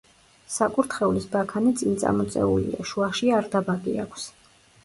საკურთხევლის ბაქანი წინწამოწეულია, შუაში არდაბაგი აქვს.